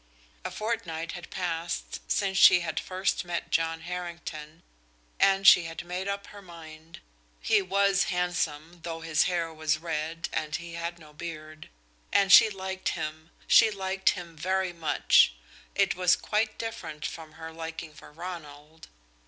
A fortnight had passed since she had first met John Harrington, and she had made up her mind. He was handsome, though his hair was red and he had no beard, and she liked him; she liked him very much; it was quite different from her liking for Ronald.